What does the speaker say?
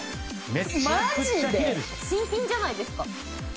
新品じゃないですか。